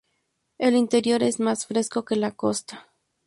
El interior es más fresco que la costa.